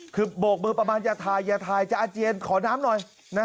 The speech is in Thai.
คือโบกมือประมาณอย่าถ่ายอย่าถ่ายจะอาเจียนขอน้ำหน่อย